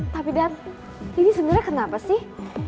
tapi dad deddy sebenarnya kenapa sih